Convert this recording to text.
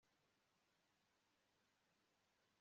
ko kuzuza ibiryohereye mu gifu